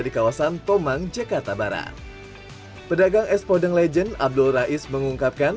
di kawasan tomang jakarta barat pedagang es podeng legend abdul rais mengungkapkan